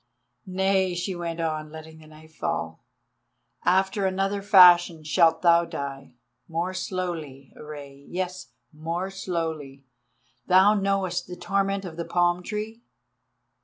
"Nay," she went on, letting the knife fall; "after another fashion shalt thou die—more slowly, Rei, yes, more slowly. Thou knowest the torment of the palm tree?